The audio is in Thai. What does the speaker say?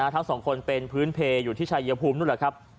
ทั้งสองคนเป็นพื้นเพลอยู่ที่ชายภูมินู่นแหละครับ